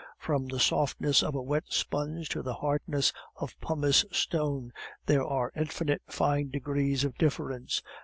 From the softness of a wet sponge to the hardness of pumice stone there are infinite fine degrees of difference.